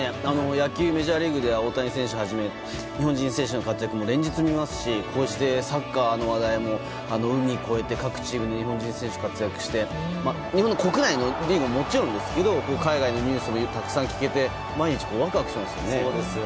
野球のメジャーリーグでは大谷翔平をはじめ日本人選手の活躍も連日見ますしこうしてサッカーの話題も海を越えて各地日本人選手が活躍して国内のリーグも、もちろんですが海外のニュースもたくさん聞けて毎日ワクワクしますよね。